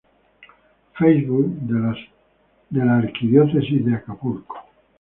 Facebook de la Arquidiócesis de Acapulco